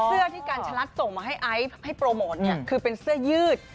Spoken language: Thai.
เสื้อที่กัญชลัดส่งมาให้ไอซ์ให้โปรโมทเนี่ยคือเป็นเสื้อยืด